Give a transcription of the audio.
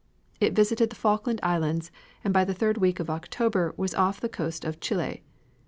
It visited the Falkland Islands, and by the third week of October was on the coast of Chile.